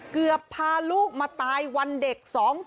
เกือบพาลูกมาตายวันเด็ก๒๐๒๓